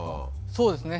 そうですね。